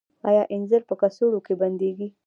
آیا انځر په کڅوړو کې بندیږي؟